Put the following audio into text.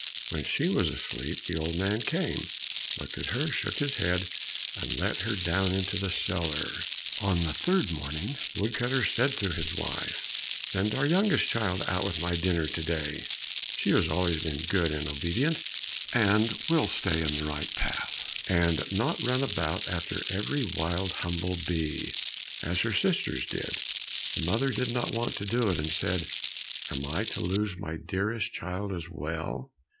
When she was asleep the old man came, looked at her, shook his head, and let her down into the cellar. On the third morning the wood cutter said to his wife, "Send our youngest child out with my dinner to day, she has always been good and obedient, and will stay in the right path, and not run about after every wild humble bee, as her sisters did." The mother did not want to do it, and said, "Am I to lose my dearest child, as well?"